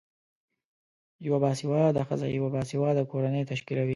یوه باسیواده خځه یوه باسیواده کورنۍ تشکلوی